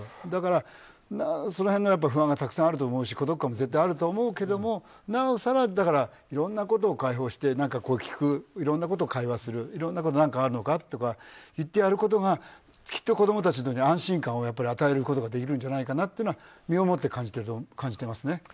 だから、その辺の不安がたくさんあると思うし孤独感も絶対あると思うけどなおさらいろんなことを解放していろんなことを会話する何かあるかとか言ってあげるのがきっと子供たちに安心感を与えることができるんじゃないかなと身をもって感じていますね。